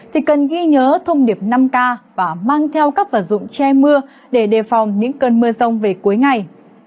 thì cần ghi nhớ thông điệp năm k và mang theo các vật dụng che mưa để đề phòng những cơn mưa rông về cuối ngày